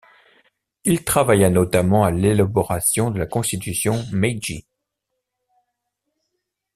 Il travailla notamment à l'élaboration de la constitution Meiji.